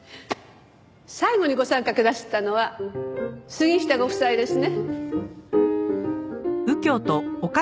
最後にご参加くださったのは杉下ご夫妻ですね。